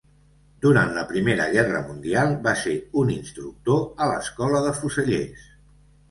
Durant la Primera Guerra Mundial va ser un instructor a l'Escola de fusellers.